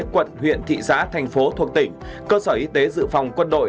quận huyện thị xã thành phố thuộc tỉnh cơ sở y tế dự phòng quân đội